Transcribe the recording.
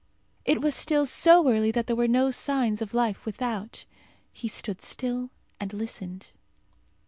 It was still so early that there were no signs of life without. He stood still and listened.